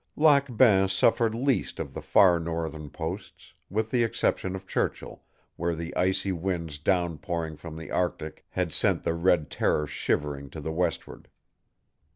Lac Bain suffered least of the far northern posts, with the exception of Churchill, where the icy winds down pouring from the Arctic had sent the Red Terror shivering to the westward.